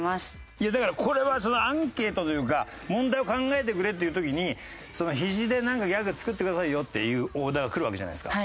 いやだからこれはアンケートというか問題を考えてくれっていう時にひじでなんかギャグ作ってくださいよっていうオーダーがくるわけじゃないですか。